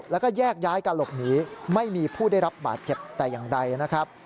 แล้วก็แยกย้ายการหลบหนีไม่มีผู้ได้รับบาดเจ็บแต่อย่างใดนะครับ